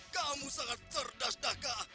kamu sangat cerdas daka